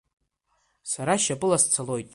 Сара шьапыла сцалоит.